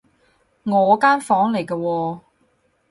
我間房嚟㗎喎